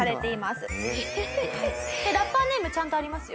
ラッパーネームちゃんとありますよ。